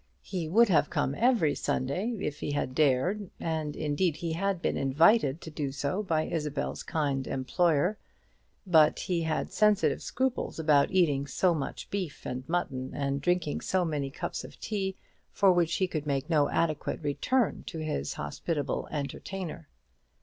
He would have come every Sunday, if he had dared, and indeed had been invited to do so by Isabel's kind employer; but he had sensitive scruples about eating so much beef and mutton, and drinking so many cups of tea, for which he could make no adequate return to his hospitable entertainer.